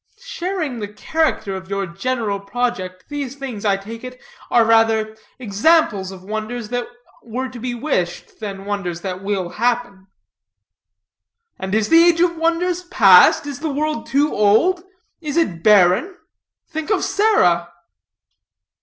"Sharing the character of your general project, these things, I take it, are rather examples of wonders that were to be wished, than wonders that will happen." "And is the age of wonders passed? Is the world too old? Is it barren? Think of Sarah."